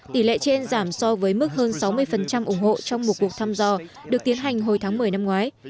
tỷ lệ trên giảm so với mức hơn sáu mươi ủng hộ trong một cuộc thăm dò được tiến hành hồi tháng một mươi năm ngoái